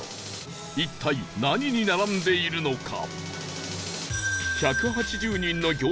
一体何に並んでいるのか？